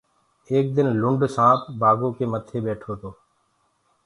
ايڪ دن لُنڊ سآنپ بآگو ڪي متي ٻيٺو تو۔